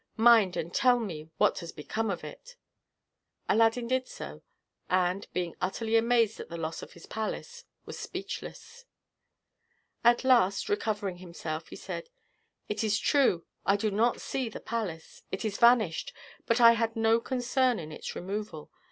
mind, and tell me what has become of it." Aladdin did so, and, being utterly amazed at the loss of his palace, was speechless. At last, recovering himself, he said: "It is true, I do not see the palace. It is vanished; but I had no concern in its removal.